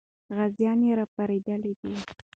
غازیان یې پرې راپارېدلي دي.